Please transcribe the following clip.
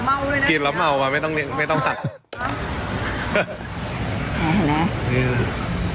เมาเลยนะกินแล้วเมาออกมาไม่ต้องเลี้ยงไม่ต้องสั่งค่ะแหละแหละ